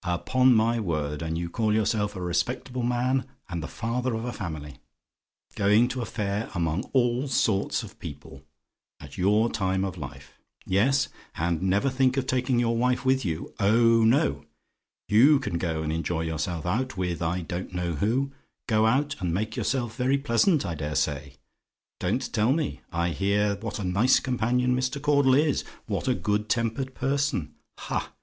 Upon my word! And you call yourself a respectable man, and the father of a family! Going to a fair among all sorts of people, at your time of life. Yes; and never think of taking your wife with you. Oh no! you can go and enjoy yourself out, with I don't know who: go out, and make yourself very pleasant, I dare say. Don't tell me; I hear what a nice companion Mr. Caudle is: what a good tempered person. Ha!